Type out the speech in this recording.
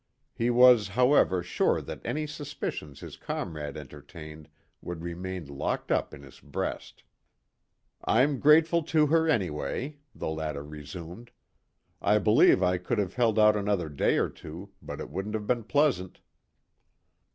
He was, however, sure that any suspicions his comrade entertained would remain locked up in his breast. "I'm grateful to her, anyway," the latter resumed. "I believe I could have held out another day or two, but it wouldn't have been pleasant."